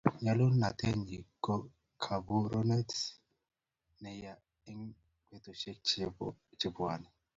nyalulnatenyin ko kaborunet neya eng betusiek che bwoni